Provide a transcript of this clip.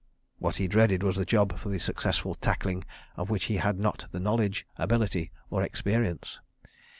What he dreaded was the job for the successful tackling of which he had not the knowledge, ability or experience.